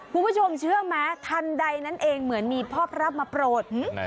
คุณผู้ชมเชื่อไหมทันใดนั้นเองเหมือนมีพ่อพระมาโปรด